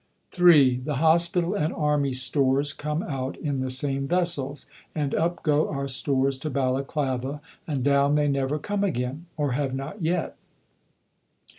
(3) The Hospital and Army Stores come out in the same vessels and up go our stores to Balaclava, and down they never come again, or have not yet.